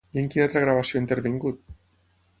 I en quina altra gravació ha intervingut?